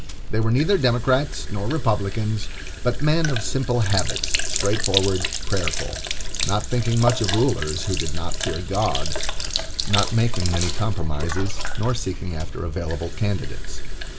They were neither Democrats nor Republicans, but men of simple habits, straightforward, prayerful; not thinking much of rulers who did not fear God, not making many compromises, nor seeking after available candidates.